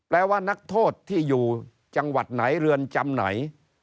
ว่านักโทษที่อยู่จังหวัดไหนเรือนจำไหน